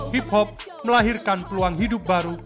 hip hop melahirkan peluang hidup baru